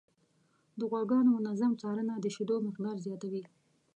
د غواګانو منظم څارنه د شیدو مقدار زیاتوي.